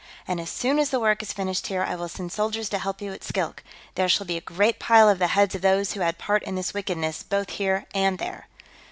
And as soon as the work is finished here, I will send soldiers to help you at Skilk. There shall be a great pile of the heads of those who had part in this wickedness, both here and there!"